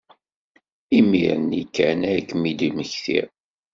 Imir-nni kan ay kem-id-mmektiɣ.